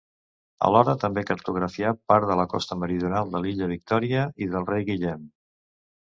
Alhora també cartografià part de la costa meridional de l'illa Victòria i del Rei Guillem.